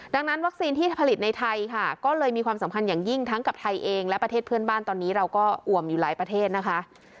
ดังนั้นวัคซีนที่ผลิตในไทยค่ะก็เลยมีความสำคัญอย่างยิ่งทั้งกับไทยเองและประเทศเพื่อนบ้านตอนนี้เราก็อ่วมอยู่หลายประเทศนะคะ